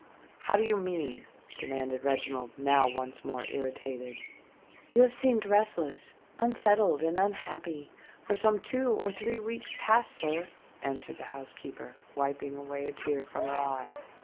"How do you mean?" demanded Reginald, now once more irritated. "You have seemed restless, unsettled, and unhappy, for some two or three weeks past, sir," answered the housekeeper, wiping away a tear from her eye.